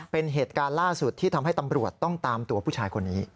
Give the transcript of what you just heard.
เป็นเหตุการณ์ล่าสุดที่ทำให้ตำรวจต้องตามตัวผู้ชายคนนี้